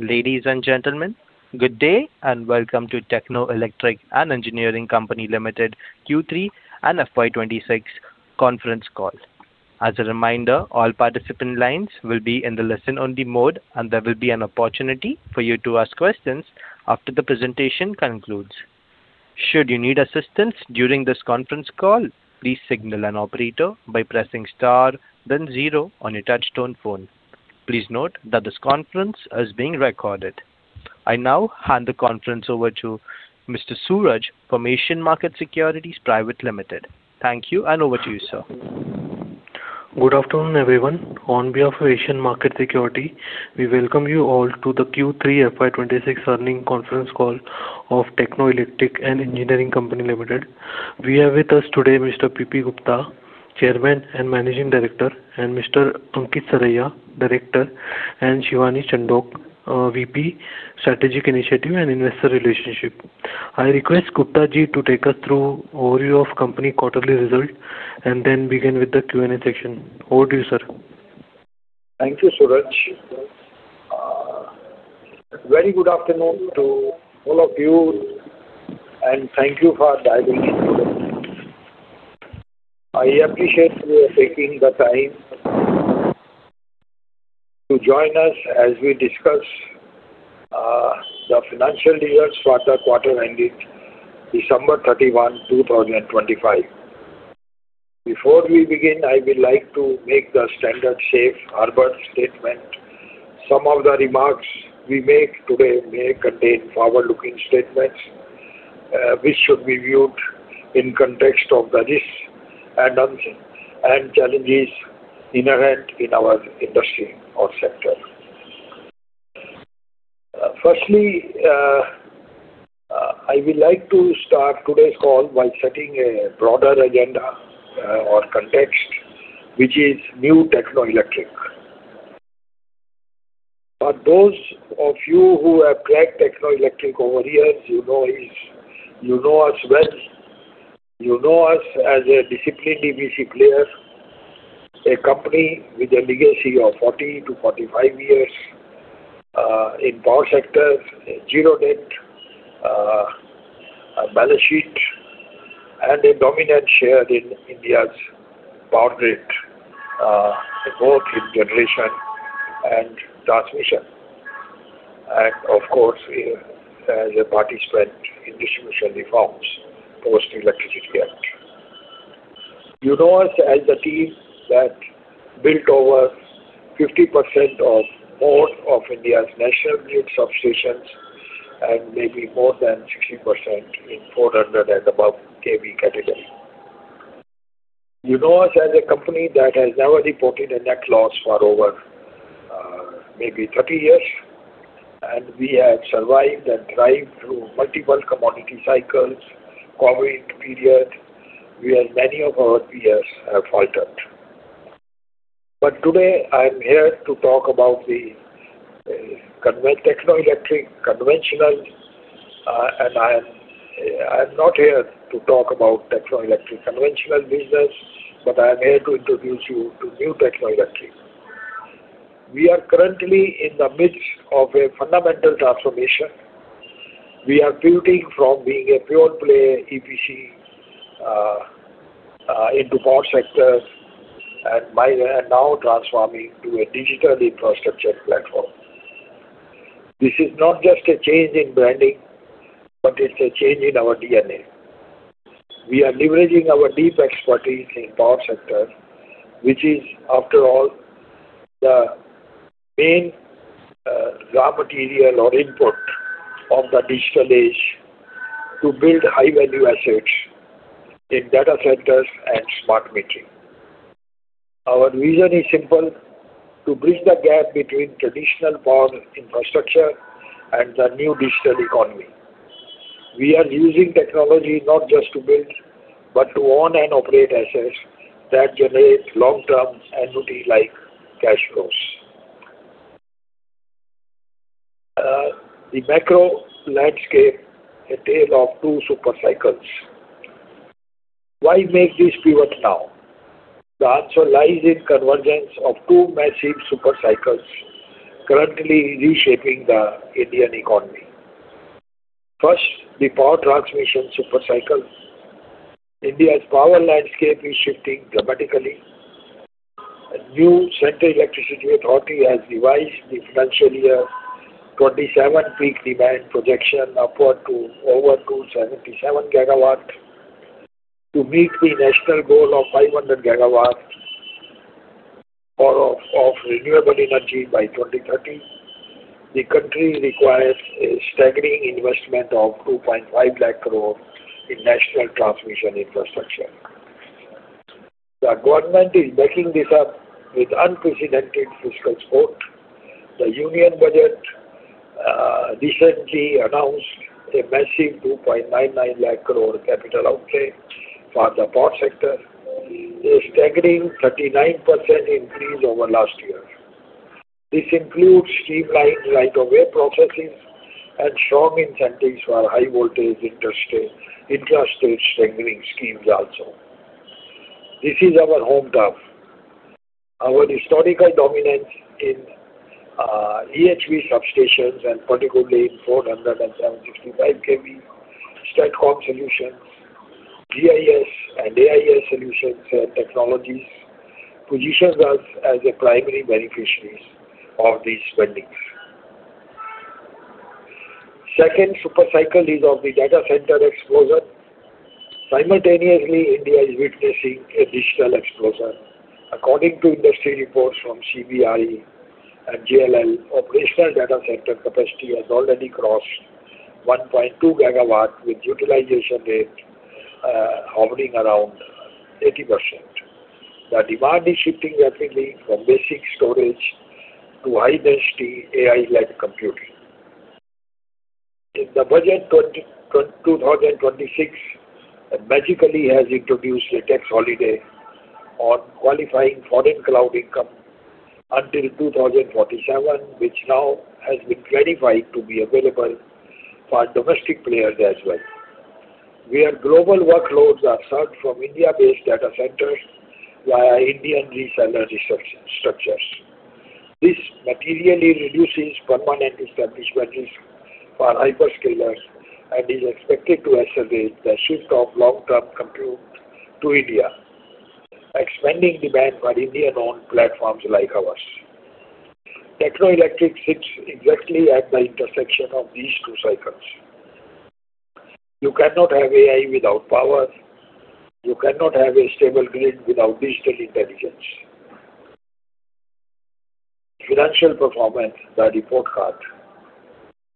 Ladies and gentlemen, good day and welcome to Techno Electric & Engineering Company Limited Q3 and FY2026 Conference Call. As a reminder, all participant lines will be in the listen-only mode, and there will be an opportunity for you to ask questions after the presentation concludes. Should you need assistance during this conference call, please signal an operator by pressing star, then zero on your touch-tone phone. Please note that this conference is being recorded. I now hand the conference over to Mr. Suraj from Asian Markets Securities Pvt Ltd. Thank you, and over to you, sir. Good afternoon, everyone. On behalf of Asian Market Securities, we welcome you all to the Q3 FY2026 Earnings Conference Call of Techno Electric & Engineering Company Limited. We have with us today Mr. P.P. Gupta, Chairman and Managing Director, and Mr. Ankit Saraiya, Director, and Shivani Chandok, VP, Strategic Initiative and Investor Relationship. I request Gupta ji to take us through an overview of the company's quarterly results and then begin with the Q&A section. Over to you, sir. Thank you, Suraj. Very good afternoon to all of you, and thank you for diving in today. I appreciate you taking the time to join us as we discuss the financial results for the quarter ending December 31, 2025. Before we begin, I would like to make the standard safe harbor statement. Some of the remarks we make today may contain forward-looking statements which should be viewed in context of the risks and challenges inherent in our industry or sector. Firstly, I would like to start today's call by setting a broader agenda or context, which is new Techno Electric. For those of you who have tracked Techno Electric over years, you know us well. You know us as a disciplined EPC player, a company with a legacy of 40-45 years in the power sector, zero debt, balance sheet, and a dominant share in India's power grid, both in generation and transmission. Of course, as a participant in distribution reforms post-Electricity Act. You know us as a team that built over 50% or more of India's national grid substations and maybe more than 60% in 400 and above kV category. You know us as a company that has never reported a net loss for over maybe 30 years, and we have survived and thrived through multiple commodity cycles, COVID period, where many of our peers have faltered. Today, I'm here to talk about the Techno Electric conventional, and I'm not here to talk about Techno Electric conventional business, but I'm here to introduce you to new Techno Electric. We are currently in the midst of a fundamental transformation. We are pivoting from being a pure-play EPC into the power sector and now transforming to a digital infrastructure platform. This is not just a change in branding, but it's a change in our DNA. We are leveraging our deep expertise in the power sector, which is, after all, the main raw material or input of the digital age to build high-value assets in data centers and smart meters. Our vision is simple: to bridge the gap between traditional power infrastructure and the new digital economy. We are using technology not just to build, but to own and operate assets that generate long-term annuity-like cash flows. The macro landscape is a tale of two supercycles. Why make this pivot now? The answer lies in the convergence of two massive supercycles currently reshaping the Indian economy. First, the power transmission supercycle. India's power landscape is shifting dramatically. The new Central Electricity Authority has revised the financial year 2027 peak demand projection upward to over 277 GW to meet the national goal of 500 GW of renewable energy by 2030. The country requires a staggering investment of 250,000 crore in national transmission infrastructure. The government is backing this up with unprecedented fiscal support. The Union Budget recently announced a massive 299,000 crore capital outlay for the power sector, a staggering 39% increase over last year. This includes streamlined right-of-way processes and strong incentives for high-voltage interstate strengthening schemes also. This is our home turf. Our historical dominance in EHV substations, and particularly in 400 and 765 kV, STATCOM solutions, GIS and AIS solutions, and technologies, positions us as the primary beneficiaries of these spending. The second supercycle is of the data center explosion. Simultaneously, India is witnessing a digital explosion. According to industry reports from CBRE and JLL, operational data center capacity has already crossed 1.2 GW, with utilization rate hovering around 80%. The demand is shifting rapidly from basic storage to high-density AI-led computing. The budget 2026 magically has introduced a tax holiday on qualifying foreign cloud income until 2047, which now has been clarified to be available for domestic players as well. Global workloads are served from India-based data centers via Indian reseller structures. This materially reduces permanent establishment risk for hyperscalers and is expected to accelerate the shift of long-term compute to India, expanding demand for Indian-owned platforms like ours. Techno Electric sits exactly at the intersection of these two cycles. You cannot have AI without power. You cannot have a stable grid without digital intelligence. Financial performance, the report card.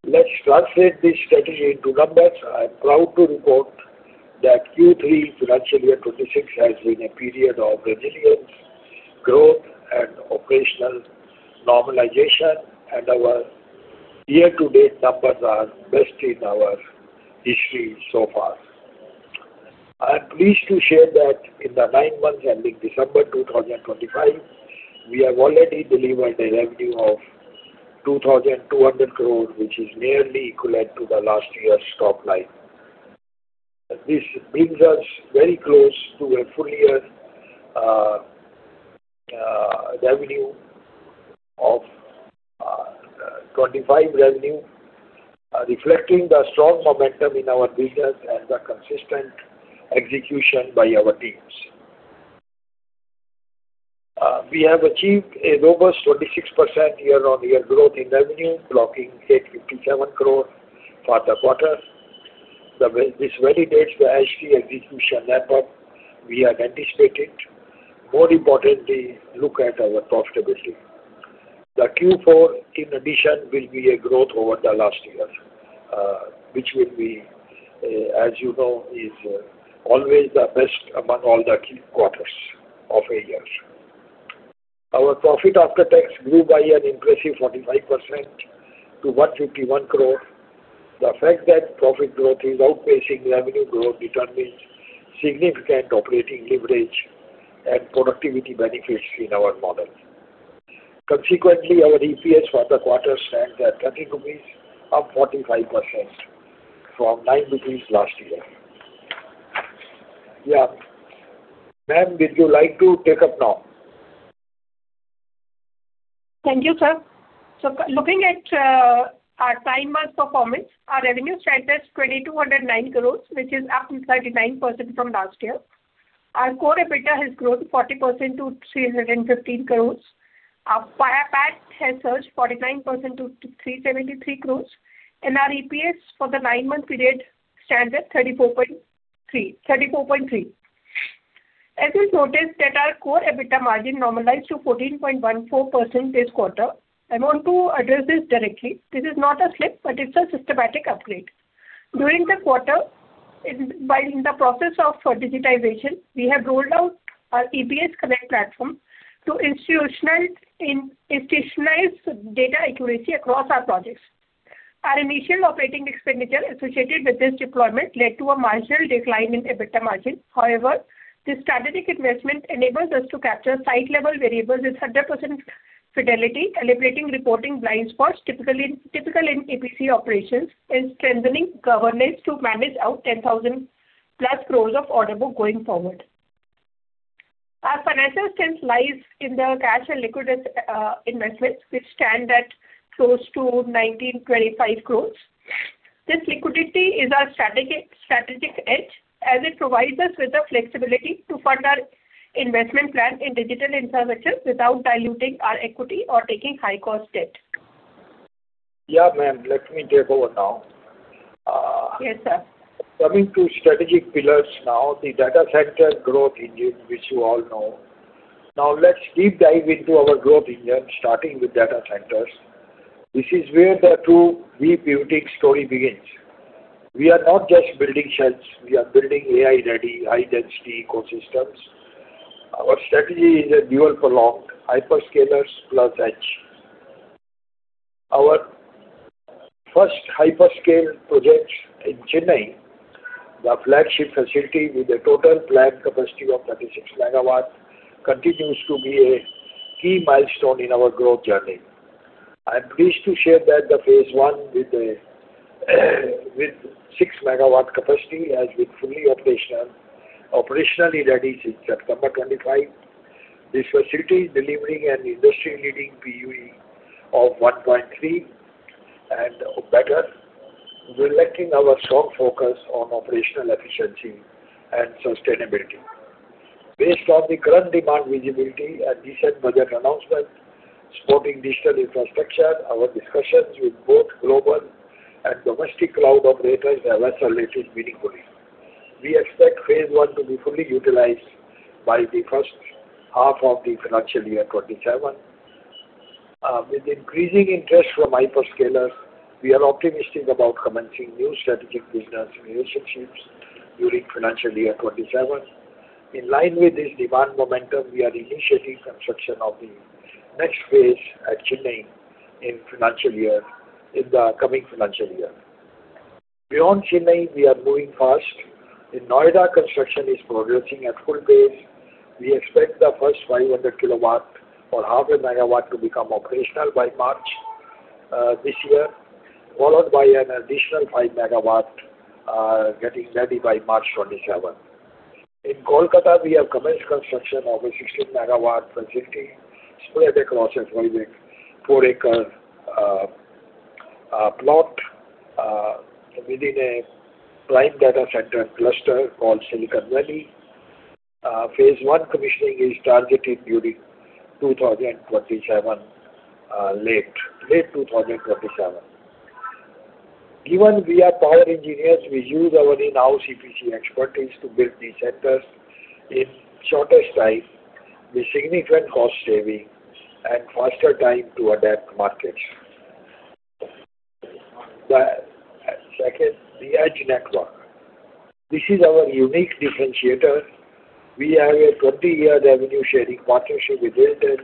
Let's translate this strategy into numbers. I'm proud to report that Q3 financial year 2026 has been a period of resilience, growth, and operational normalization, and our year-to-date numbers are best in our history so far. I'm pleased to share that in the nine months ending December 2025, we have already delivered a revenue of 2,200 crore, which is nearly equivalent to the last year's top line. This brings us very close to a full-year revenue of 2,500 crore, reflecting the strong momentum in our business and the consistent execution by our teams. We have achieved a robust 26% year-on-year growth in revenue, clocking 857 crore for the quarter. This validates the actual execution that we had anticipated. More importantly, look at our profitability. The Q4, in addition, will be a growth over the last year, which will be, as you know, always the best among all the key quarters of a year. Our profit after tax grew by an impressive 45% to 151 crore. The fact that profit growth is outpacing revenue growth determines significant operating leverage and productivity benefits in our model. Consequently, our EPS for the quarter stands at 30 rupees, up 45% from 9 rupees last year. Yeah. Ma'am, would you like to take up now? Thank you, sir. So looking at our nine months performance, our revenue strength is 2,209 crores, which is up 39% from last year. Our core EBITDA has grown 40% to 315 crores. Our PAT has surged 49% to 373 crores, and our EPS for the nine-month period stands at 34.3. As you'll notice, our core EBITDA margin normalized to 14.14% this quarter. I want to address this directly. This is not a slip, but it's a systematic upgrade. During the quarter, while in the process of digitization, we have rolled out our EPS Connect platform to institutionalize data accuracy across our projects. Our initial operating expenditure associated with this deployment led to a marginal decline in EBITDA margin. However, this strategic investment enables us to capture site-level variables with 100% fidelity, eliminating reporting blind spots typical in EPC operations, and strengthening governance to manage out 10,000+ crore of order book going forward. Our financial strength lies in the cash and liquidity investments, which stand at close to 1,925 crore. This liquidity is our strategic edge, as it provides us with the flexibility to fund our investment plan in digital infrastructure without diluting our equity or taking high-cost debt. Yeah, ma'am. Let me take over now. Yes, sir. Coming to strategic pillars now, the data center growth engine, which you all know. Now, let's deep dive into our growth engine, starting with data centers. This is where the true pivoting story begins. We are not just building shells. We are building AI-ready, high-density ecosystems. Our strategy is a dual-pronged hyperscalers + edge. Our first hyperscale project in Chennai, the flagship facility with a total planned capacity of 36 MW, continues to be a key milestone in our growth journey. I'm pleased to share that the phase one with 6 MW capacity has been fully operationally ready since September 25. This facility is delivering an industry-leading PUE of 1.3 and better, reflecting our strong focus on operational efficiency and sustainability. Based on the current demand visibility and recent budget announcement supporting digital infrastructure, our discussions with both global and domestic cloud operators have escalated meaningfully. We expect phase one to be fully utilized by the first half of the financial year 2027. With increasing interest from hyperscalers, we are optimistic about commencing new strategic business relationships during financial year 2027. In line with this demand momentum, we are initiating construction of the next phase in the coming financial year. Beyond Chennai, we are moving fast. In Noida, construction is progressing at full pace. We expect the first 500 kW or half a megawatt to become operational by March this year, followed by an additional 5 MW getting ready by March 2027. In Kolkata, we have commenced construction of a 16 MW facility spread across a 4-acre plot within a prime data center cluster called Silicon Valley. Phase one commissioning is targeted during late 2027. Given we are power engineers, we use our in-house EPC expertise to build these centers in the shortest time with significant cost savings and faster time to adapt markets. Second, the edge network. This is our unique differentiator. We have a 20-year revenue-sharing partnership with RailTel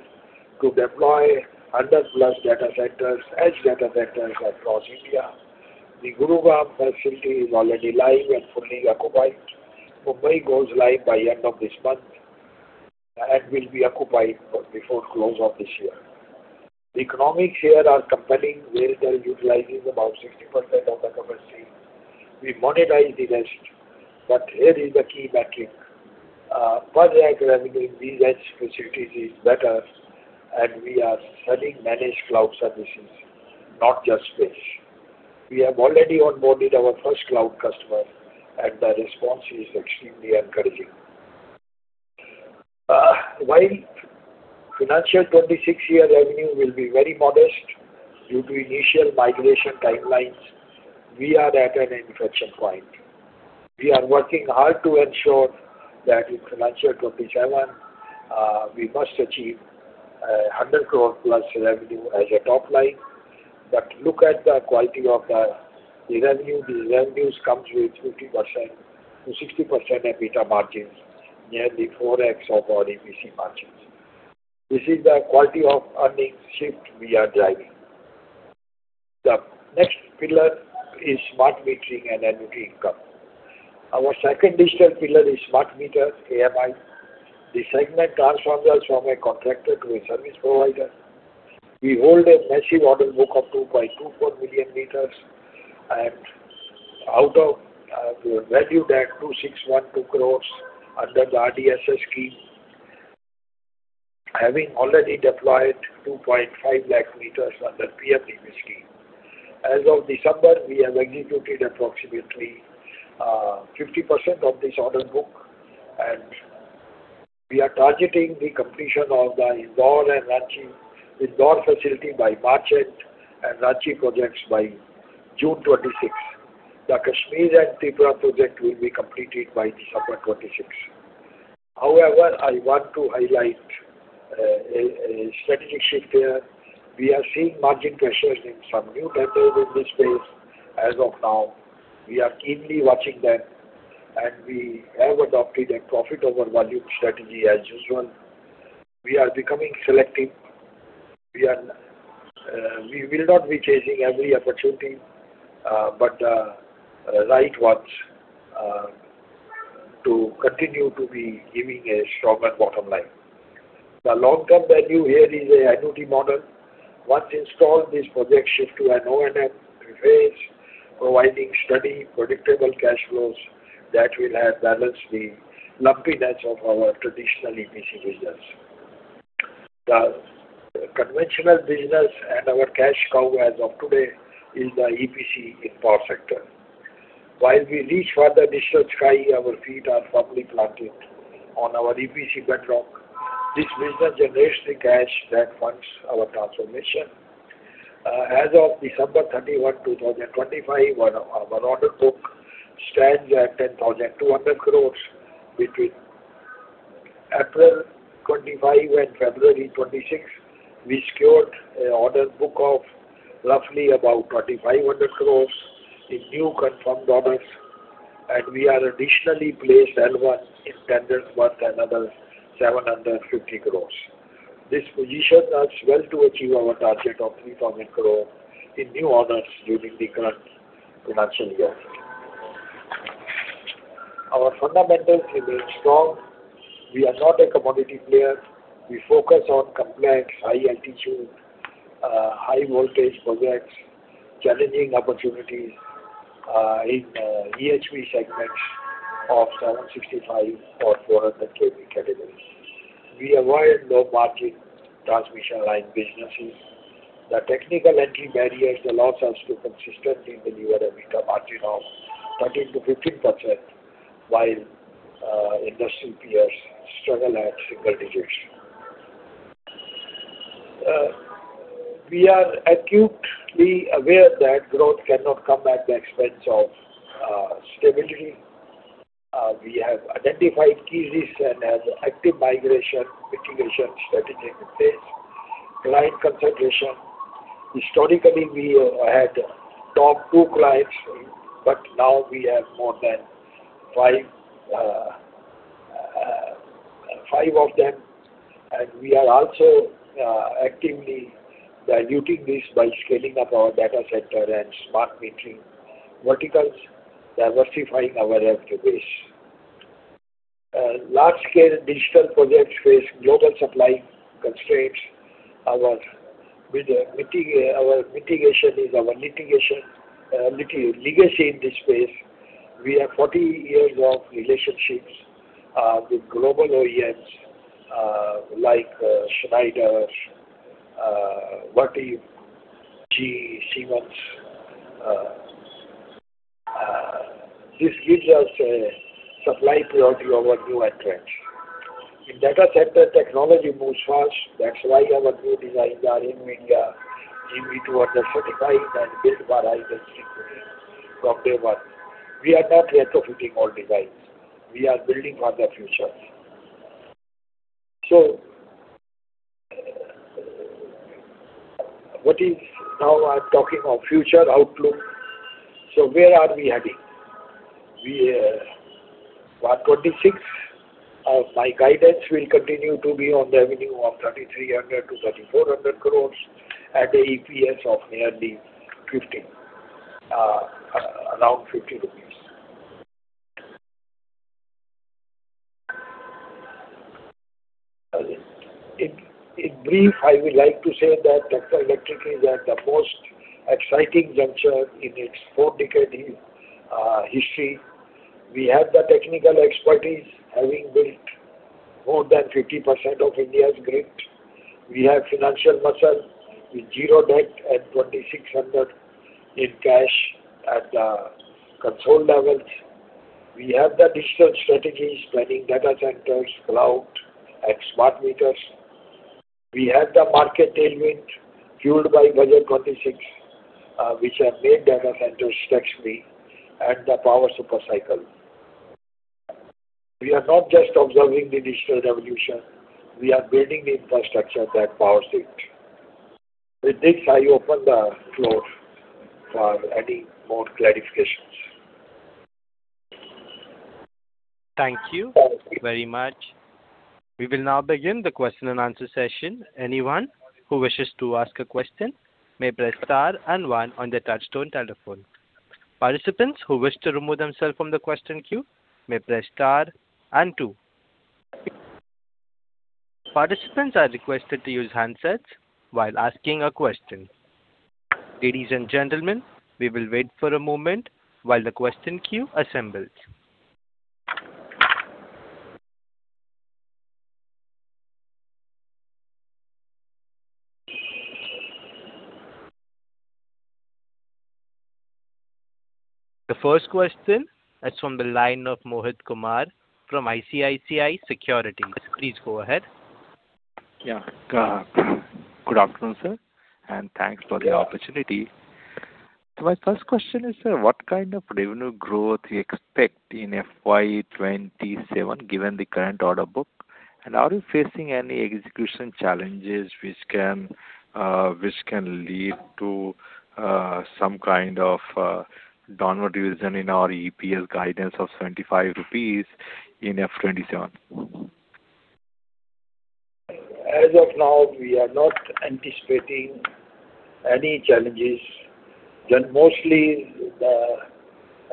to deploy 100+ edge data centers across India. The Gurugram facility is already live and fully occupied. Mumbai goes live by the end of this month and will be occupied before close of this year. The economics here are compelling. RailTel utilizes about 60% of the capacity. We monetize the rest. But here is the key metric. Per revenue, these edge facilities are better, and we are selling managed cloud services, not just space. We have already onboarded our first cloud customer, and the response is extremely encouraging. While FY2026 revenue will be very modest due to initial migration timelines, we are at an inflection point. We are working hard to ensure that in FY2027, we must achieve 100 crore+ revenue as a top line. But look at the quality of the revenue. These revenues come with 50%-60% EBITDA margins, nearly 4x of our EPC margins. This is the quality of earnings shift we are driving. The next pillar is smart metering and annuity income. Our second digital pillar is smart meters, AMI. The segment transforms us from a contractor to a service provider. We hold a massive order book of 2.24 million m. And out of, we have valued at 2,612 crore under the RDSS scheme, having already deployed 250,000 meters under PMDP scheme. As of December, we have executed approximately 50% of this order book, and we are targeting the completion of the Indore facility by March and Ranchi projects by June 26. The Kashmir and Tripura project will be completed by December 26. However, I want to highlight a strategic shift here. We are seeing margin pressures in some new tenders in this space. As of now, we are keenly watching them, and we have adopted a profit-over-volume strategy as usual. We are becoming selective. We will not be chasing every opportunity, but the right ones to continue to be giving a stronger bottom line. The long-term value here is an annuity model. Once installed, this project shifts to an O&M phase, providing steady, predictable cash flows that will balance the lumpiness of our traditional EPC business. The conventional business and our cash cow as of today is the EPC in power sector. While we reach further digital sky, our feet are firmly planted on our EPC bedrock. This business generates the cash that funds our transformation. As of December 31, 2025, our order book stands at 10,200 crores. Between April 2025 and February 2026, we secured an order book of roughly about 2,500 crores in new confirmed orders, and we are additionally placed L1 in tenders worth another 750 crores. This position helps well to achieve our target of 3,000 crores in new orders during the current financial year. Our fundamentals remain strong. We are not a commodity player. We focus on complex, high-altitude, high-voltage projects, challenging opportunities in EHV segments of 765 kV or 400 kV categories. We avoid low-margin transmission line businesses. The technical entry barriers, the loss has to consistently deliver a margin of 13%-15% while industry peers struggle at single digits. We are acutely aware that growth cannot come at the expense of stability. We have identified key risks and have active migration mitigation strategy in place, client concentration. Historically, we had top two clients, but now we have more than five of them. We are also actively diluting this by scaling up our data center and smart metering verticals, diversifying our revenue base. Large-scale digital projects face global supply constraints. Our mitigation is our legacy in this space. We have 40 years of relationships with global OEMs like Schneider, Vertiv, GE, Siemens. This gives us a supply priority over new entrants. In data center, technology moves fast. That's why our new designs are NVIDIA, GE 2035, and Build by Hitec from day one. We are not retrofitting old designs. We are building for the future. So now I'm talking of future outlook. So where are we heading? By 2026, my guidance will continue to be on the revenue of 3,300 crore-3,400 crore at an EPS of nearly around INR 50. In brief, I would like to say that Techno Electric is at the most exciting juncture in its four-decade history. We have the technical expertise, having built more than 50% of India's grid. We have financial muscle with zero debt and 2,600 crore in cash at the consolidated levels. We have the digital strategy spanning data centers, cloud, and smart meters. We have the market tailwind fueled by Budget 2026, which have made data centers tax-free and the power supercycle. We are not just observing the digital revolution. We are building the infrastructure that powers it. With this, I open the floor for any more clarifications. Thank you very much. We will now begin the question-and-answer session. Anyone who wishes to ask a question may press star and one on the touch-tone telephone. Participants who wish to remove themselves from the question queue may press star and two. Participants are requested to use handsets while asking a question. Ladies and gentlemen, we will wait for a moment while the question queue assembles. The first question is from the line of Mohit Kumar from ICICI Securities. Please go ahead. Yeah. Good afternoon, sir, and thanks for the opportunity. My first question is, sir, what kind of revenue growth do you expect in FY2027 given the current order book? And are you facing any execution challenges which can lead to some kind of downward revision in our EPS guidance of 75 rupees in FY2027? As of now, we are not anticipating any challenges. Mostly,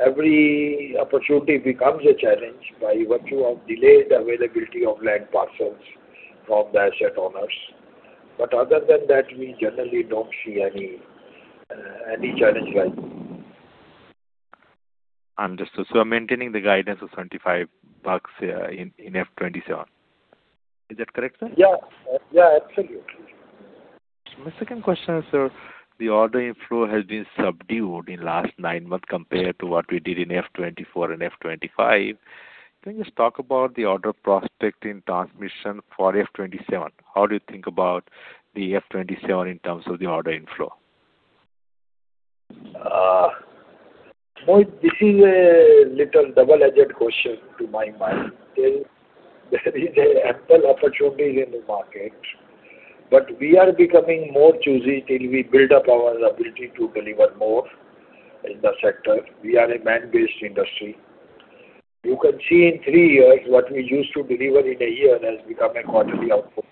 every opportunity becomes a challenge by virtue of delayed availability of land parcels from the asset owners. But other than that, we generally don't see any challenge right now. Understood. So you're maintaining the guidance of INR 75 in FY2027. Is that correct, sir? Yeah. Yeah, absolutely. My second question is, sir, the order inflow has been subdued in the last nine months compared to what we did in FY2024 and FY2025. Can you just talk about the order prospect in transmission for FY2027? How do you think about FY2027 in terms of the order inflow? This is a little double-edged question to my mind. There is an ample opportunity in the market, but we are becoming more choosy till we build up our ability to deliver more in the sector. We are a manpower-based industry. You can see in three years what we used to deliver in a year has become a quarterly output.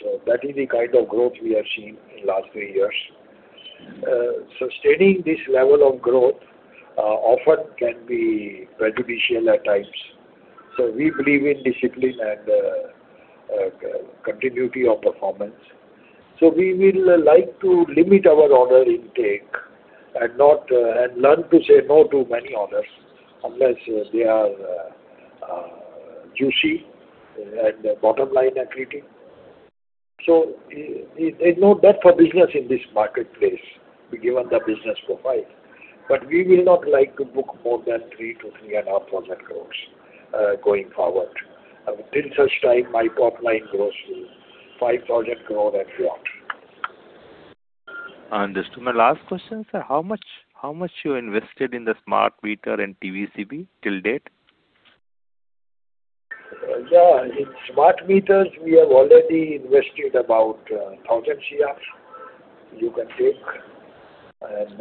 So that is the kind of growth we have seen in the last three years. Sustaining this level of growth often can be prejudicial at times. So we believe in discipline and continuity of performance. So we will like to limit our order intake and learn to say no to many orders unless they are juicy and bottom line accretive. So there's no dearth of business in this marketplace given the business profile. But we will not like to book more than 3,000 crore-3,500 crore going forward. Till such time, my top line growth will be 5,000 crore and beyond. Understood. My last question, sir, how much you invested in the smart meter and TBCB till date? Yeah. In smart meters, we have already invested about 1,000 crore you can take. In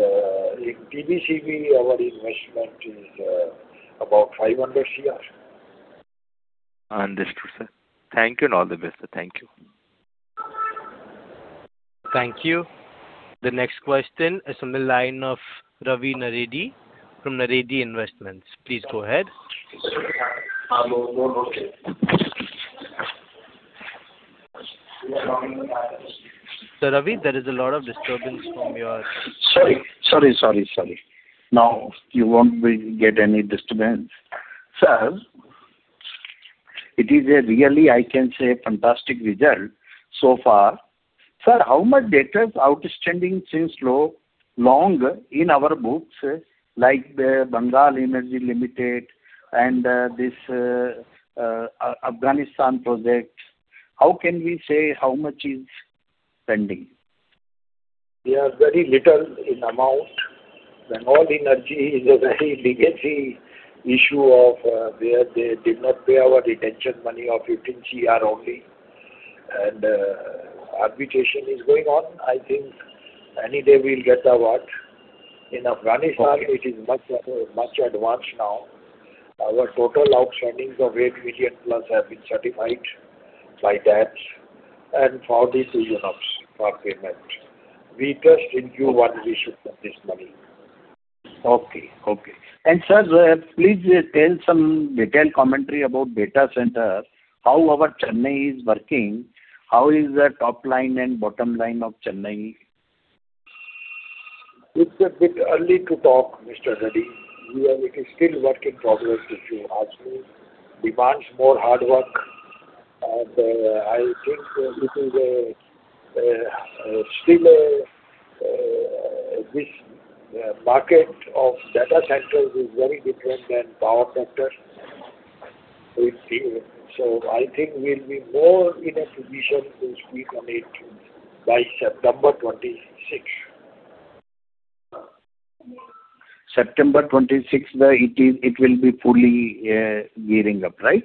TBCB, our investment is about 500 crore. Understood, sir. Thank you and all the best, sir. Thank you. Thank you. The next question is from the line of Ravi Naredi from Naredi Investments. Please go ahead. Hello? No, no chat. We are coming in now. Sir, Ravi, there is a lot of disturbance from your. Sorry. Sorry, sorry, sorry. Now, you won't get any disturbance. Sir, it is really, I can say, fantastic result so far. Sir, how much data is outstanding since long in our books like Bengal Energy Limited and this Afghanistan project? How can we say how much is pending? We are very little in amount when Bengal Energy is a very legacy issue of where they did not pay our retention money of 15 crore only. And arbitration is going on. I think any day we'll get the award. In Afghanistan, it is much advanced now. Our total outstandings of $8 million+ have been certified by DABS and forwarded to UNOPS for payment. We trust in Q1 we should get this money. Okay. Okay. And sir, please tell some detailed commentary about data center, how our Chennai is working, how is the top line and bottom line of Chennai? It's a bit early to talk, Mr. Reddy. It is still a work in progress if you ask me. Demands more hard work. I think it is still this market of data centers is very different than power sector. I think we'll be more in a position to speak on it by September 26. September 26, it will be fully gearing up, right?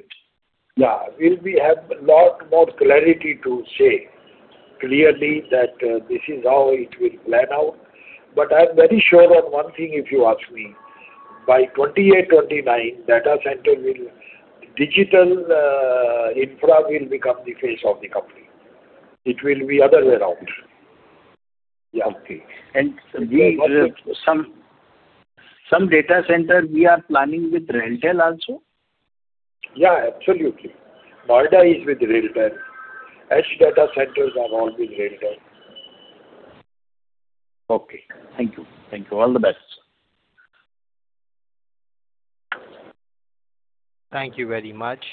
Yeah. We'll have a lot more clarity to say clearly that this is how it will plan out. But I'm very sure on one thing if you ask me, by 2028, 2029, digital infra will become the face of the company. It will be otherwise out. Yeah. Okay. And some data center, we are planning with RailTel also? Yeah, absolutely. Noida is with RailTel. Edge data centers are all with RailTel. Okay. Thank you. Thank you. All the best, sir. Thank you very much.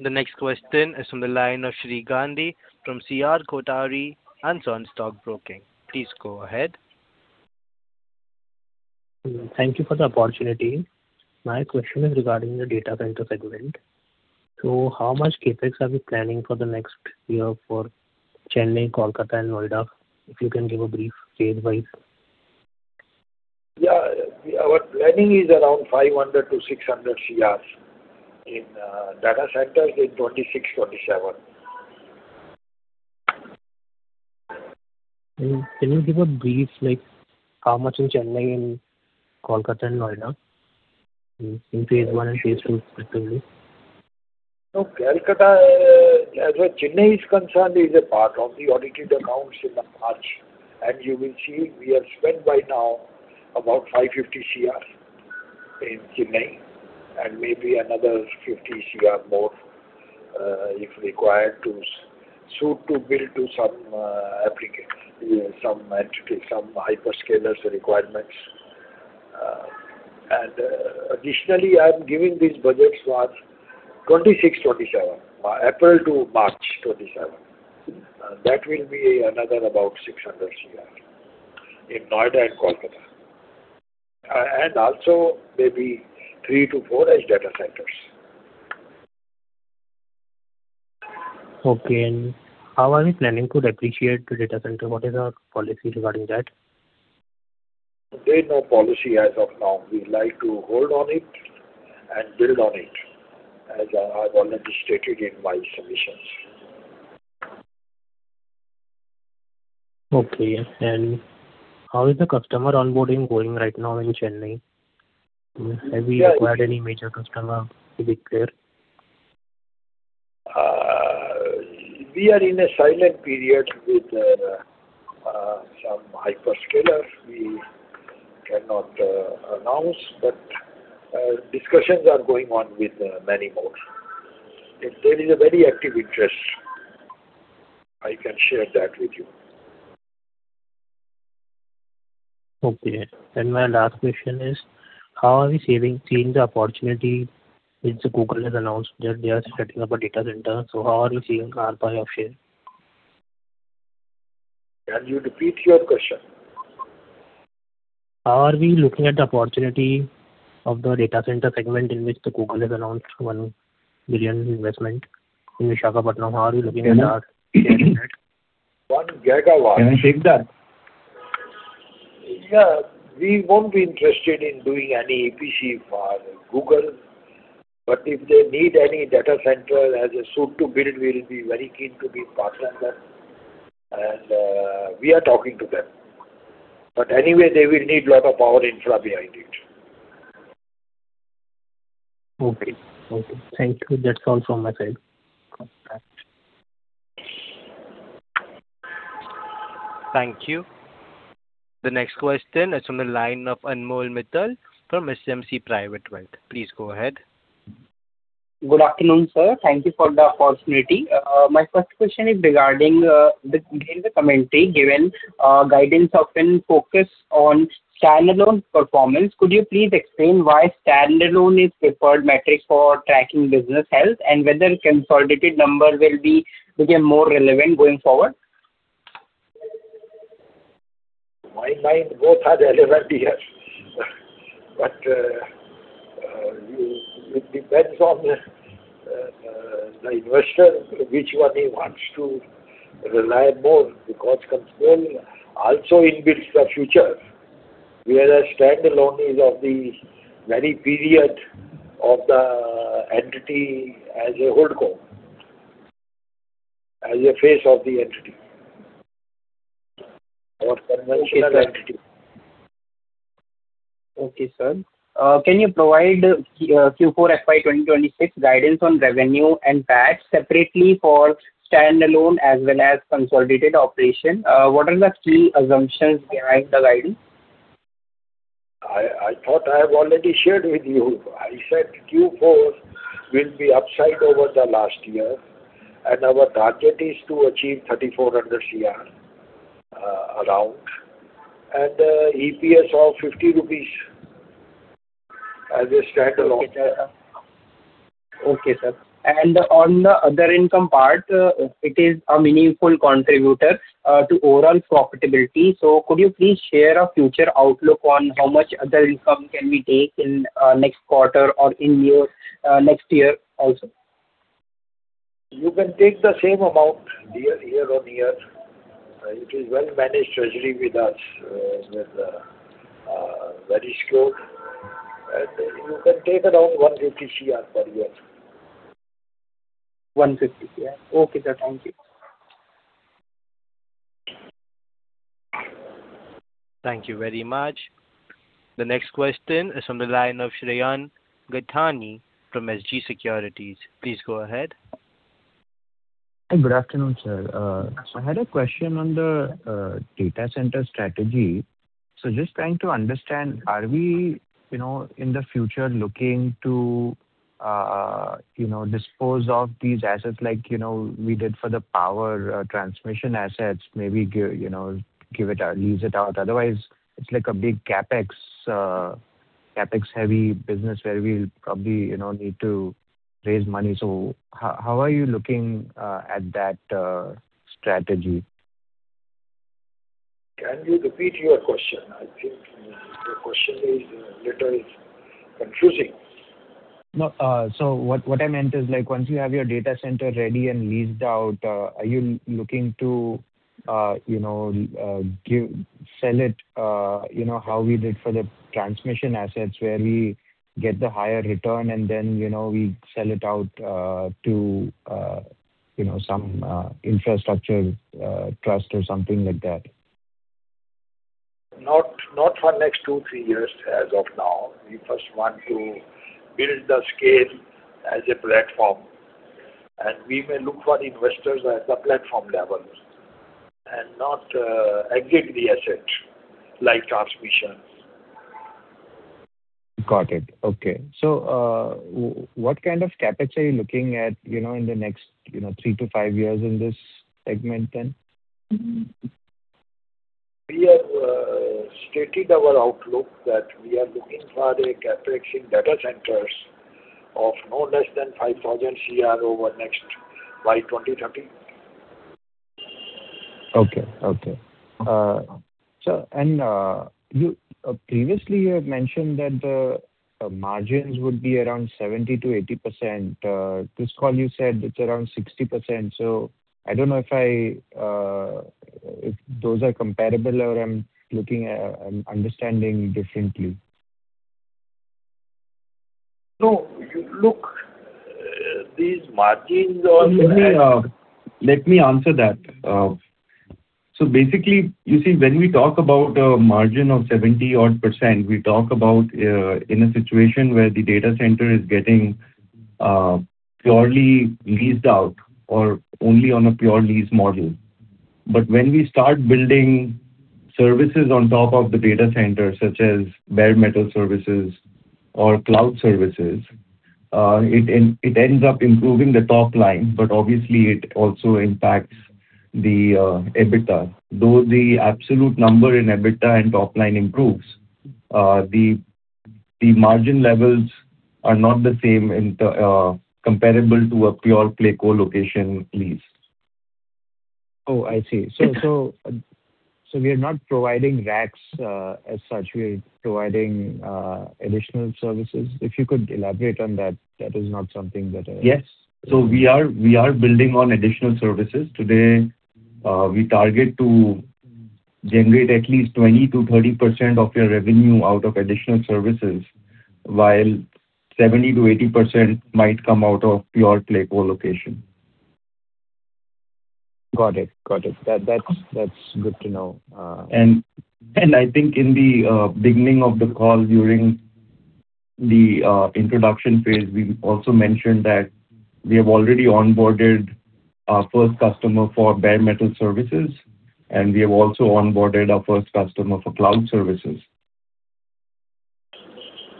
The next question is from the line of Shrey Gandhi from C.R. Kothari & Sons Stock Broking. Please go ahead. Thank you for the opportunity. My question is regarding the data center segment. How much CapEx are we planning for the next year for Chennai, Kolkata, and Noida if you can give a brief phase-wise? Yeah. Our planning is around 500 crore-600 crore in data centers in 2026, 2027. Can you give a brief how much in Chennai and Kolkata and Noida in phase one and phase two, respectively? No. As for Chennai is concerned, it is a part of the audited accounts in March. You will see we have spent by now about 550 crore in Chennai and maybe another 50 crore more if required to suit to build to some entities, some hyperscalers requirements. Additionally, I'm giving these budgets for April to March 2027. That will be another about 600 crore in Noida and Kolkata. Also maybe 3-4 edge data centers. Okay. How are we planning to depreciate the data center? What is our policy regarding that? There's no policy as of now. We like to hold on it and build on it as I've already stated in my submissions. Okay. How is the customer onboarding going right now in Chennai? Have we acquired any major customer, to be clear? We are in a silent period with some hyperscalers. We cannot announce. But discussions are going on with many more. There is a very active interest. I can share that with you. Okay. My last question is, how are we seeing the opportunity which Google has announced that they are setting up a data center? So how are we seeing EPS per share? Can you repeat your question? How are we looking at the opportunity of the data center segment in which Google has announced $1 billion investment in Visakhapatnam? How are we looking at that? 1 GW. Can I take that? Yeah. We won't be interested in doing any EPC for Google. But if they need any data center as a service to build, we will be very keen to be partner in that. And we are talking to them. But anyway, they will need a lot of power infra behind it. Okay. Okay. Thank you. That's all from my side. Thank you. The next question is from the line of Anmol Mittal from SMC Private Wealth. Please go ahead. Good afternoon, sir. Thank you for the opportunity. My first question is regarding the commentary given. Guidance often focused on standalone performance. Could you please explain why standalone is a preferred metric for tracking business health and whether consolidated numbers will become more relevant going forward? my mind, both are relevant here. But it depends on the investor which one he wants to rely more because control also in-builds the future whereas standalone is of the very period of the entity as a holdco, as a face of the entity or conventional entity. Okay, sir. Can you provide Q4 FY2026 guidance on revenue and DABS separately for standalone as well as consolidated operation? What are the key assumptions behind the guidance? I thought I have already shared with you. I said Q4 will be upside over the last year. And our target is to achieve around INR 3,400 crore and EPS of 50 rupees as a standalone. Okay, sir. Okay, sir. On the other income part, it is a meaningful contributor to overall profitability. Could you please share a future outlook on how much other income can we take in next quarter or in next year also? You can take the same amount year on year. It is well-managed treasury with us. We're very secure. You can take around 150 crore per year. 150 crore. Okay, sir. Thank you. Thank you very much. The next question is from the line of Shreyans Gathani from SG Securities. Please go ahead. Hi. Good afternoon, sir. I had a question on the data center strategy. So just trying to understand, are we in the future looking to dispose of these assets like we did for the power transmission assets, maybe lease it out? Otherwise, it's like a big CapEx-heavy business where we'll probably need to raise money. So how are you looking at that strategy? Can you repeat your question? I think your question is a little confusing. No. So what I meant is once you have your data center ready and leased out, are you looking to sell it how we did for the transmission assets where we get the higher return and then we sell it out to some infrastructure trust or something like that? Not for next 2-3 years as of now. We first want to build the scale as a platform. We may look for investors at the platform level and not exit the asset like transmission. Got it. Okay. So what kind of CapEx are you looking at in the next 3-5 years in this segment then? We have stated our outlook that we are looking for a CapEx in data centers of no less than 5,000 crore over by 2030. Okay. Okay. And previously, you had mentioned that the margins would be around 70%-80%. This call, you said it's around 60%. So I don't know if those are comparable or I'm understanding differently. No. These margins are. Let me answer that. So basically, you see, when we talk about a margin of 70-odd%, we talk about in a situation where the data center is getting purely leased out or only on a pure lease model. But when we start building services on top of the data center such as bare metal services or cloud services, it ends up improving the top line. But obviously, it also impacts the EBITDA. Though the absolute number in EBITDA and top line improves, the margin levels are not the same comparable to a pure play colocation lease. Oh, I see. So we are not providing racks as such. We are providing additional services. If you could elaborate on that, that is not something that. Yes. So we are building on additional services. Today, we target to generate at least 20%-30% of your revenue out of additional services while 70%-80% might come out of pure play co-location. Got it. Got it. That's good to know. And I think in the beginning of the call during the introduction phase, we also mentioned that we have already onboarded our first customer for bare metal services. And we have also onboarded our first customer for cloud services.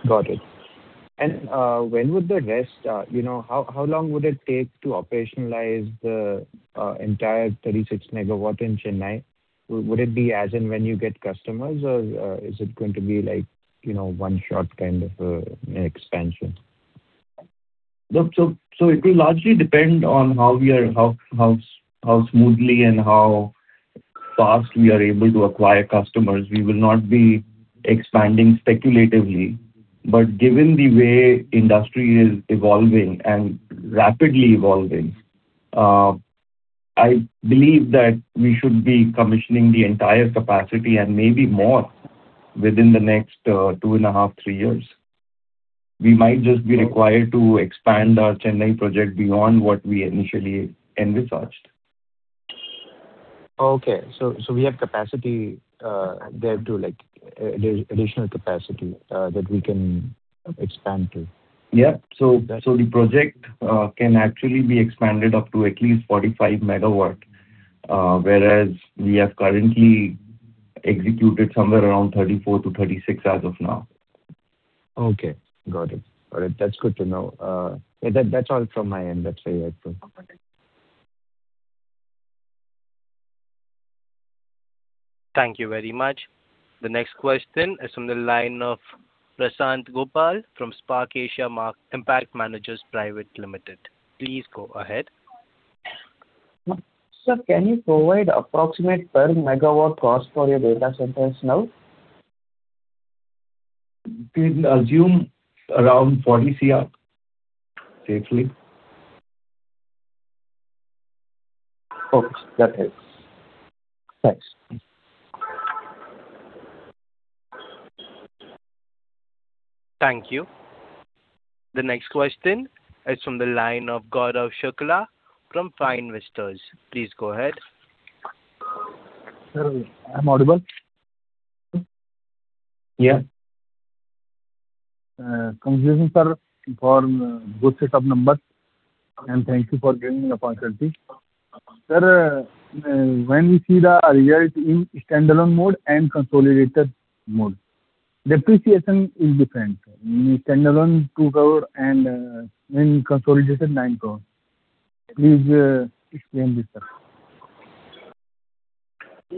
Got it. And when would the rest how long would it take to operationalize the entire 36 MW in Chennai? Would it be as in when you get customers, or is it going to be one-shot kind of an expansion? No. So it will largely depend on how smoothly and how fast we are able to acquire customers. We will not be expanding speculatively. But given the way industry is evolving and rapidly evolving, I believe that we should be commissioning the entire capacity and maybe more within the next 2.5-3 years. We might just be required to expand our Chennai project beyond what we initially envisaged. Okay. So we have capacity there too, additional capacity that we can expand to. Yep. So the project can actually be expanded up to at least 45 MW, whereas we have currently executed somewhere around 34-36 MW as of now. Okay. Got it. Got it. That's good to know. Yeah. That's all from my end, that's all I had to. Thank you very much. The next question is from the line of Prashant Gopal from Spark Asia Impact Managers Private Limited. Please go ahead. Sir, can you provide approximate per MW cost for your data centers now? We can assume around 40 crore, safely. Okay. That helps. Thanks. Thank you. The next question is from the line of Gaurav Shukla from Fine Investors. Please go ahead. Sir, I'm audible? Yeah. Conclusion, sir, for good set of numbers. Thank you for giving me the opportunity. Sir, when we see the result in standalone mode and consolidated mode, depreciation is different in standalone 2 crore and in consolidated 9 crore. Please explain this, sir.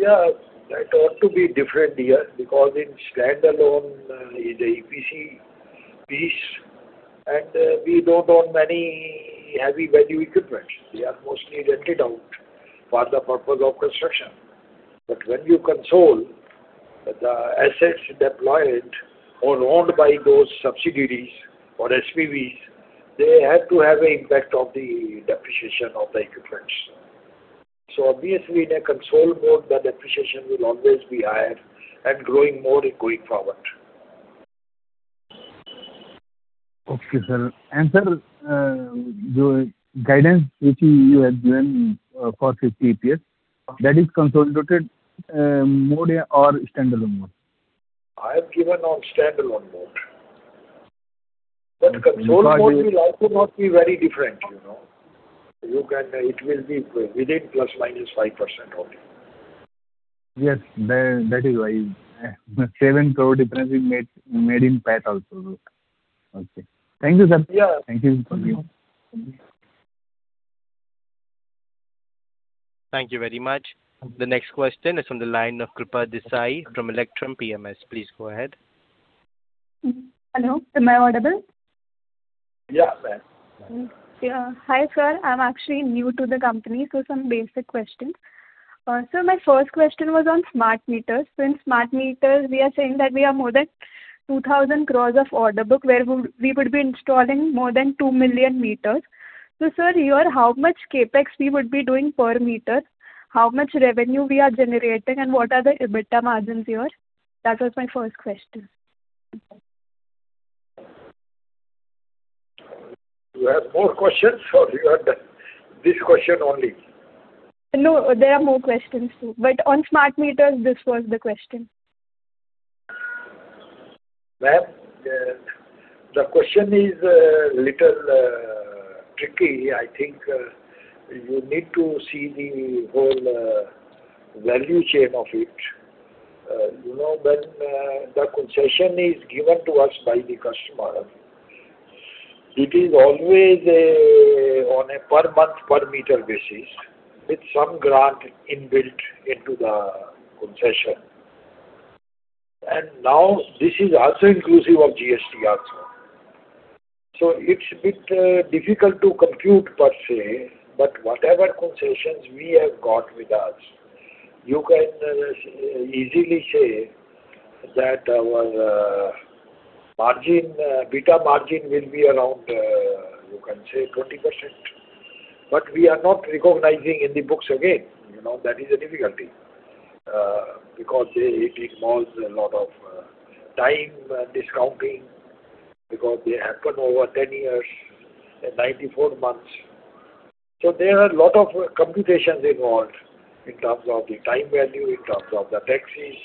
Yeah. That ought to be different here because in standalone, it's an EPC piece. And we don't own many high-value equipment. They are mostly rented out for the purpose of construction. But when you consolidate the assets deployed or owned by those subsidiaries or SPVs, they have to have an impact of the depreciation of the equipment. So obviously, in a consolidated mode, the depreciation will always be higher and growing more going forward. Okay, sir. Sir, the guidance which you have given for 50 EPS, that is consolidated mode or standalone mode? I have given on standalone mode. Consolidated mode will also not be very different. It will be within ±5% only. Yes. That is why. 7 crore difference is made in PAT also. Okay. Thank you, sir. Yeah. Thank you. Thank you very much. The next question is from the line of Kripal Desai from Electrum PMS. Please go ahead. Hello. Am I audible? Yeah, sir. Hi, sir. I'm actually new to the company. So some basic questions. So my first question was on smart meters. So in smart meters, we are saying that we are more than 2,000 crores of order book where we would be installing more than 2 million meters. So sir, your how much CapEx we would be doing per meter, how much revenue we are generating, and what are the EBITDA margins here? That was my first question. You have more questions, or you have this question only? No. There are more questions too. On smart meters, this was the question. Ma'am, the question is a little tricky. I think you need to see the whole value chain of it. When the concession is given to us by the customer, it is always on a per-month, per-meter basis with some grant inbuilt into the concession. And now, this is also inclusive of GST also. So it's a bit difficult to compute, per se. But whatever concessions we have got with us, you can easily say that our margin, EBITDA margin, will be around, you can say, 20%. But we are not recognizing in the books again. That is a difficulty because it involves a lot of time discounting because they happen over 10 years, 94 months. So there are a lot of computations involved in terms of the time value, in terms of the taxes,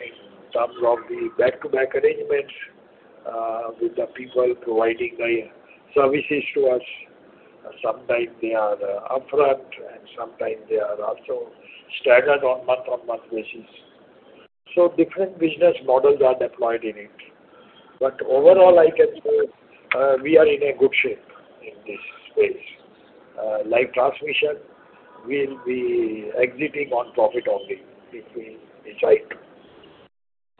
in terms of the back-to-back arrangements with the people providing the services to us. Sometimes, they are upfront, and sometimes, they are also staggered on month-over-month basis. So different business models are deployed in it. But overall, I can say we are in a good shape in this space. Live transmission will be exiting on profit only if we decide to.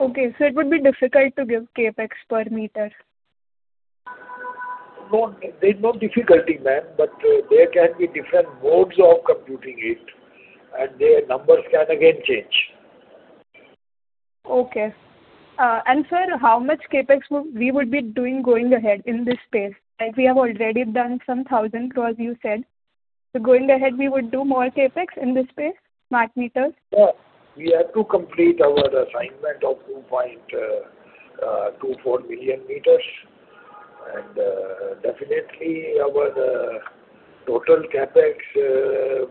Okay. So it would be difficult to give CapEx per meter? No. There's no difficulty, ma'am. But there can be different modes of computing it, and their numbers can, again, change. Okay. And sir, how much CapEx we would be doing going ahead in this space? We have already done some 1,000 crore, you said. So going ahead, we would do more CapEx in this space, smart meters? Yeah. We have to complete our assignment of 2.24 million meters. Definitely, our total CapEx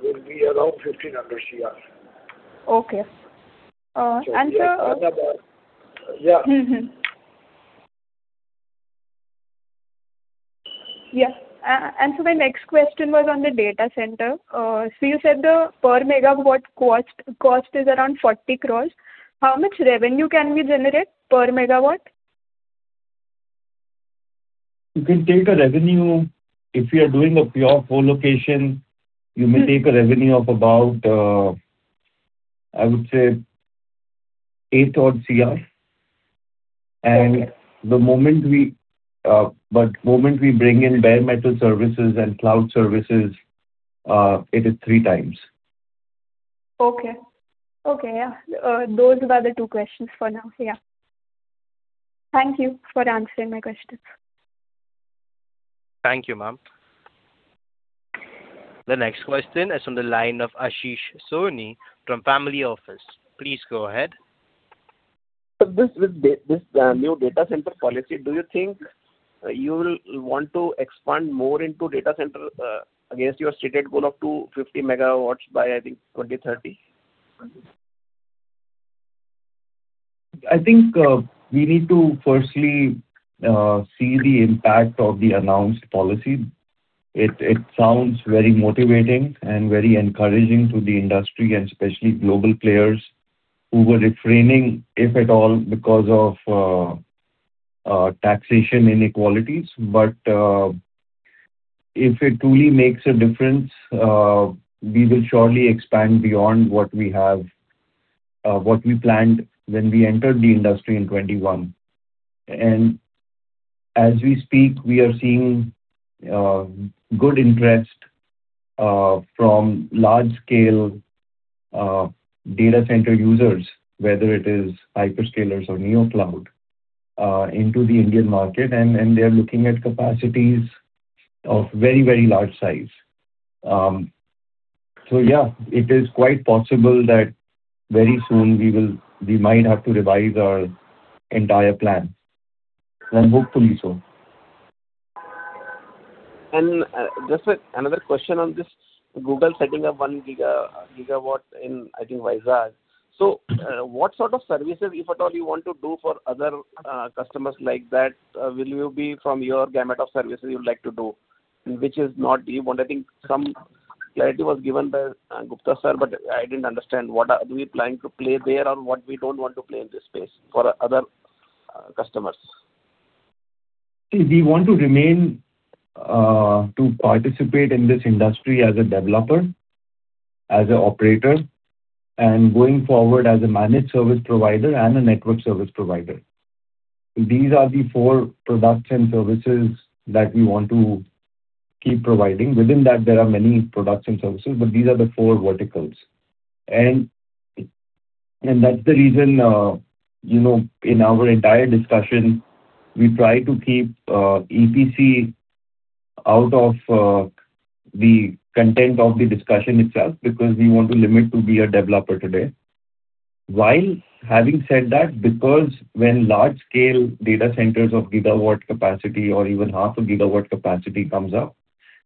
will be around 1,500 crore. Okay. And sir. It's all about yeah. Yes. And so my next question was on the data center. So you said the per MW cost is around 40 crore. How much revenue can we generate per MW? You can take a revenue if you are doing a pure PO location, you may take a revenue of about, I would say, 8-odd crore. And the moment we bring in bare metal services and cloud services, it is three times. Okay. Okay. Yeah. Those were the two questions for now. Yeah. Thank you for answering my questions. Thank you, ma'am. The next question is from the line of Ashish Soni from Family Office. Please go ahead. With this new data center policy, do you think you will want to expand more into data center against your stated goal of 250 MW by, I think, 2030? I think we need to firstly see the impact of the announced policy. It sounds very motivating and very encouraging to the industry and especially global players who were refraining, if at all, because of taxation inequalities. But if it truly makes a difference, we will surely expand beyond what we planned when we entered the industry in 2021. And as we speak, we are seeing good interest from large-scale data center users, whether it is hyperscalers or NeoCloud, into the Indian market. And they are looking at capacities of very, very large size. So yeah, it is quite possible that very soon, we might have to revise our entire plan, and hopefully, so. Just another question on this. Google setting up 1 GW in, I think, Visakhapatnam. So what sort of services, if at all, you want to do for other customers like that? Will you be from your gamut of services you'd like to do, which is not do you want? I think some clarity was given by Gupta, sir, but I didn't understand. Do we plan to play there, or what we don't want to play in this space for other customers? See, we want to remain to participate in this industry as a developer, as an operator, and going forward as a managed service provider and a network service provider. These are the four products and services that we want to keep providing. Within that, there are many products and services, but these are the four verticals. And that's the reason in our entire discussion, we try to keep EPC out of the content of the discussion itself because we want to limit to be a developer today. While having said that, because when large-scale data centers of 1 GW capacity or even 0.5 GW capacity comes up,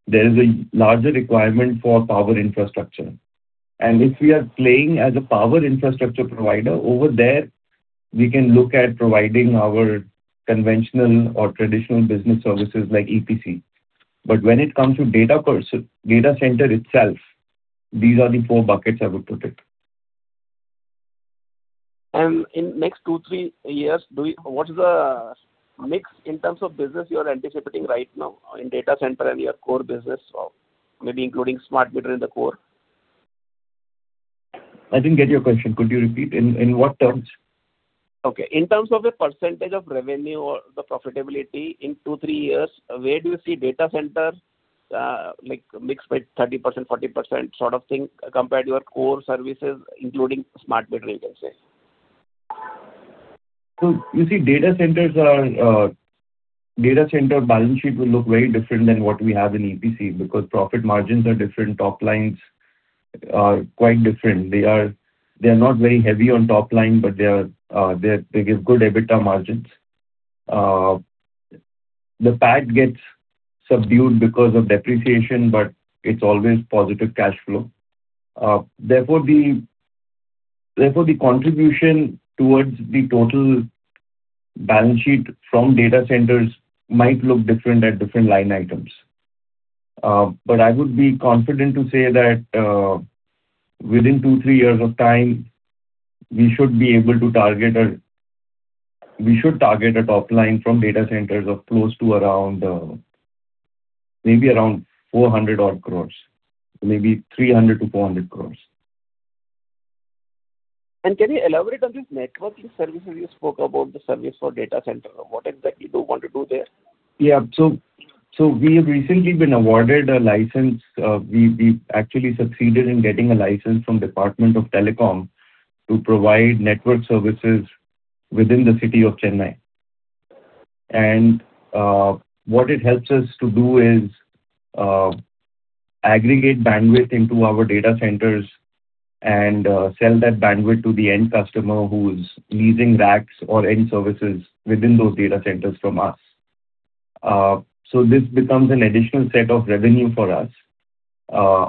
there is a larger requirement for power infrastructure. And if we are playing as a power infrastructure provider over there, we can look at providing our conventional or traditional business services like EPC. When it comes to data center itself, these are the four buckets I would put it. In the next 2-3 years, what is the mix in terms of business you are anticipating right now in data center and your core business, maybe including smart meter in the core? I didn't get your question. Could you repeat? In what terms? Okay. In terms of a percentage of revenue or the profitability in 2-3 years, where do you see data center mix by 30%-40% sort of thing compared to your core services, including smart meter, you can say? So you see, data centers' data center balance sheet will look very different than what we have in EPC because profit margins are different. Top lines are quite different. They are not very heavy on top line, but they give good EBITDA margins. The PAT gets subdued because of depreciation, but it's always positive cash flow. Therefore, the contribution towards the total balance sheet from data centers might look different at different line items. But I would be confident to say that within 2-3 years of time, we should be able to target a top line from data centers of close to maybe around 400-odd crore, maybe 300-400 crore. Can you elaborate on these networking services you spoke about, the service for data center? What exactly do you want to do there? Yeah. So we have recently been awarded a license. We actually succeeded in getting a license from the Department of Telecom to provide network services within the city of Chennai. And what it helps us to do is aggregate bandwidth into our data centers and sell that bandwidth to the end customer who is leasing racks or end services within those data centers from us. So this becomes an additional set of revenue for us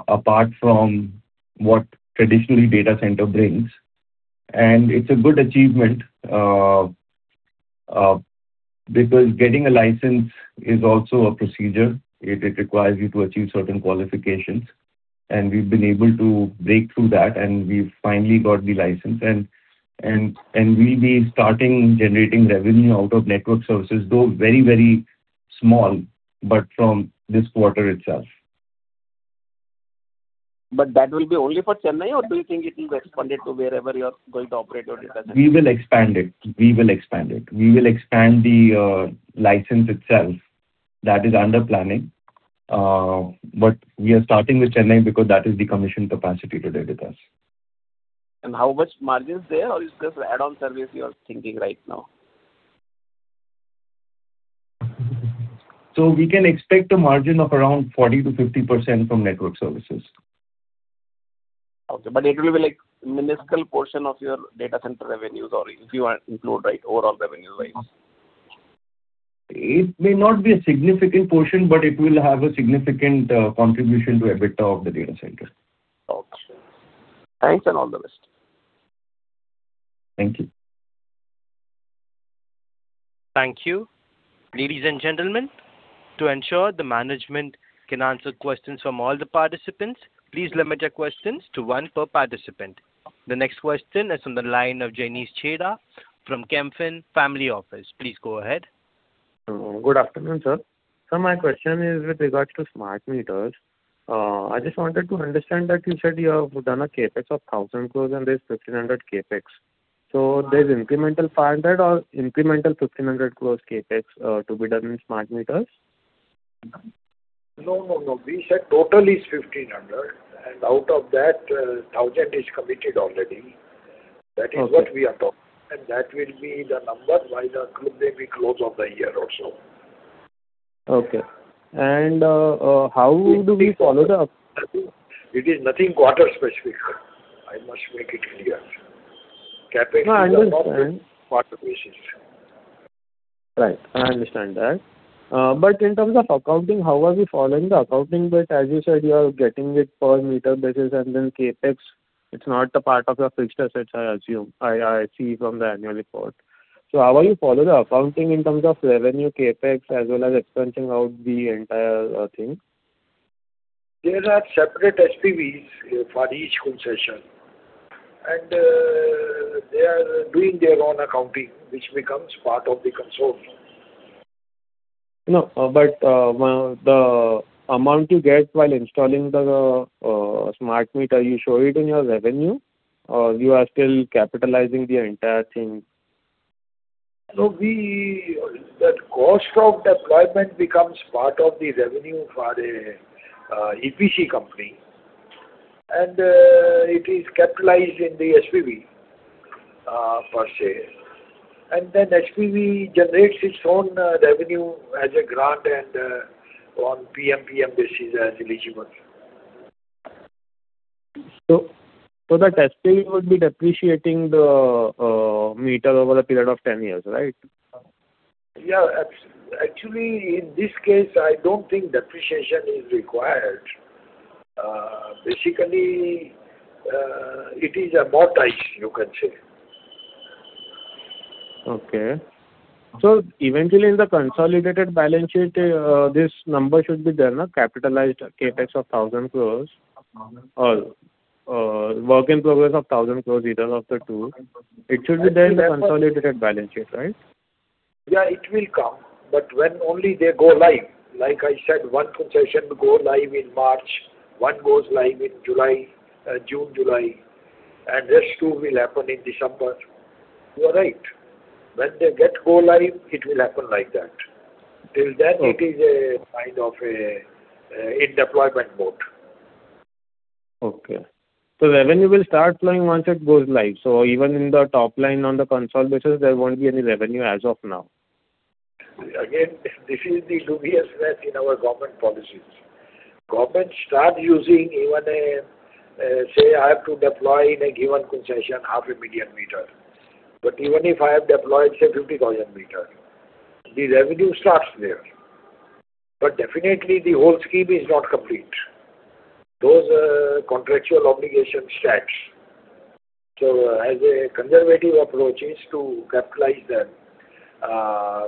apart from what traditionally data center brings. And it's a good achievement because getting a license is also a procedure. It requires you to achieve certain qualifications. And we've been able to break through that, and we've finally got the license. And we'll be starting generating revenue out of network services, though very, very small, but from this quarter itself. That will be only for Chennai, or do you think it will be expanded to wherever you are going to operate your data center? We will expand it. We will expand it. We will expand the license itself. That is under planning. But we are starting with Chennai because that is the commission capacity today with us. How much margin is there, or is this add-on service you are thinking right now? We can expect a margin of around 40%-50% from network services. Okay. But it will be a minuscule portion of your data center revenues if you include overall revenues-wise? It may not be a significant portion, but it will have a significant contribution to EBITDA of the data center. Okay. Thanks, and all the best. Thank you. Thank you. Ladies and gentlemen, to ensure the management can answer questions from all the participants, please limit your questions to one per participant. The next question is from the line of Jenish Chheda from Kempfen Family Office. Please go ahead. Good afternoon, sir. My question is with regards to smart meters. I just wanted to understand that you said you have done a CapEx of 1,000 crore and there's 1,500 crore CapEx. There's incremental 500 crore or incremental 1,500 crore CapEx to be done in smart meters? No, no, no. We said total is 1,500. And out of that, 1,000 is committed already. That is what we are talking. And that will be the number by the close day we close of the year or so. Okay. How do we follow the? It is nothing quarter-specific. I must make it clear. CapEx is done on quarter basis. Right. I understand that. But in terms of accounting, how are we following the accounting? But as you said, you are getting it per meter basis and then CapEx. It's not a part of your fixed assets, I assume, I see from the annual report. So how are you following the accounting in terms of revenue, CapEx, as well as expansion out the entire thing? There are separate SPVs for each concession. They are doing their own accounting, which becomes part of the consortium. No. But the amount you get while installing the smart meter, you show it in your revenue, or you are still capitalizing the entire thing? The cost of deployment becomes part of the revenue for an EPC company. It is capitalized in the SPV per se. SPV generates its own revenue as a grant and on PMPM basis as eligible. That SPV would be depreciating the meter over a period of 10 years, right? Yeah. Actually, in this case, I don't think depreciation is required. Basically, it is amortized, you can say. Okay. So eventually, in the consolidated balance sheet, this number should be there, capitalized CapEx of 1,000 crores or work in progress of 1,000 crores, either of the two. It should be there in the consolidated balance sheet, right? Yeah. It will come. But when only they go live, like I said, one concession goes live in March, one goes live in June, July, and the rest two will happen in December. You are right. When they get go live, it will happen like that. Till then, it is kind of in deployment mode. Okay. So revenue will start flowing once it goes live. So even in the top line on the consolidated basis, there won't be any revenue as of now? Again, this is the dubiousness in our government policies. Governments start using even a say, I have to deploy in a given concession 500,000 meters. But even if I have deployed, say, 50,000 meters, the revenue starts there. But definitely, the whole scheme is not complete. Those contractual obligations stack. So as a conservative approach is to capitalize them.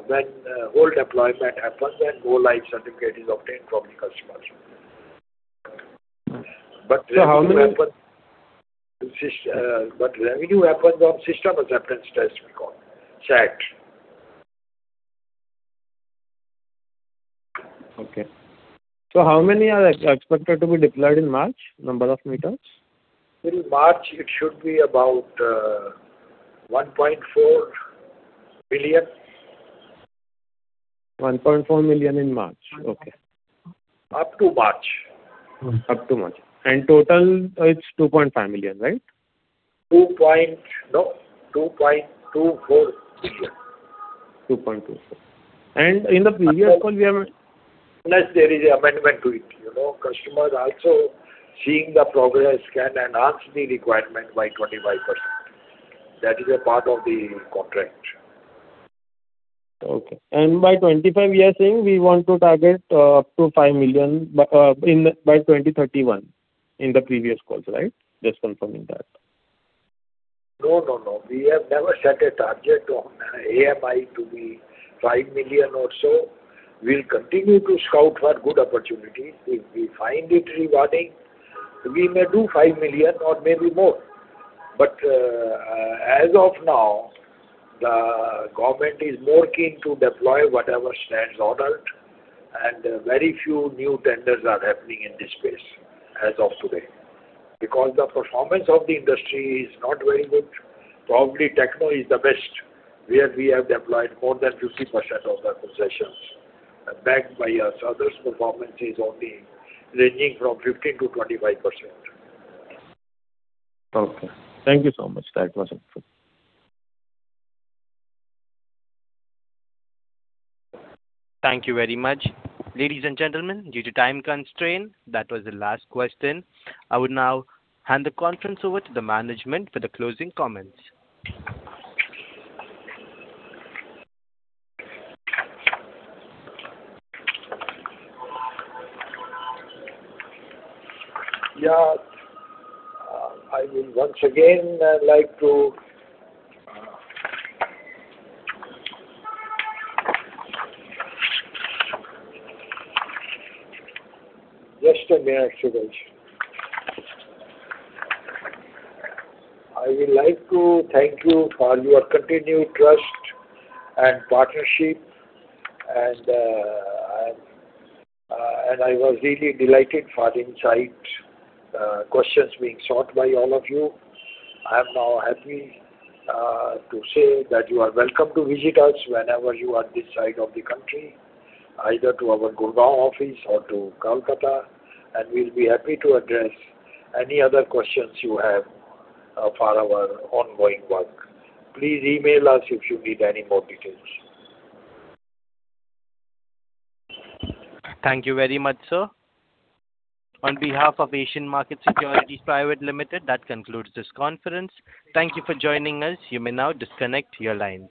When whole deployment happens and go live certificate is obtained from the customers. But revenue happens on system acceptance test, we call it, SAT. Okay. So how many are expected to be deployed in March, number of meters? Till March, it should be about 1.4 million. 1.4 million in March. Okay. Up to March. Up to March. And total, it's 2.5 million, right? No, 2.24 million. In the previous call, we have. Unless there is an amendment to it. Customers also seeing the progress can enhance the requirement by 25%. That is a part of the contract. Okay. By 2025, you are saying we want to target up to 5 million by 2031 in the previous calls, right? Just confirming that. No, no, no. We have never set a target on AMI to be 5 million or so. We'll continue to scout for good opportunities. If we find it rewarding, we may do 5 million or maybe more. But as of now, the government is more keen to deploy whatever stands ordered. And very few new tenders are happening in this space as of today because the performance of the industry is not very good. Probably, Techno is the best where we have deployed more than 50% of the concessions backed by our brothers' performance is only ranging from 15%-25%. Okay. Thank you so much. That was helpful. Thank you very much. Ladies and gentlemen, due to time constraint, that was the last question. I would now hand the conference over to the management for the closing comments. Yeah. I will once again like to just a minute, sirs. I will like to thank you for your continued trust and partnership. I was really delighted for the insightful questions being sought by all of you. I am now happy to say that you are welcome to visit us whenever you are this side of the country, either to our Gurugram office or to Kolkata. We'll be happy to address any other questions you have for our ongoing work. Please email us if you need any more details. Thank you very much, sir. On behalf of Asian Market Securities Private Limited, that concludes this conference. Thank you for joining us. You may now disconnect your lines.